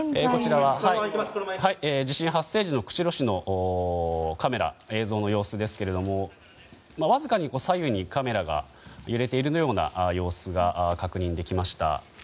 地震発生時の釧路時のカメラ、映像の様子ですけれどもわずかに左右にカメラが揺れているような様子が確認できました。